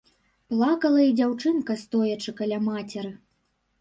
Плакала і дзяўчынка, стоячы каля мацеры.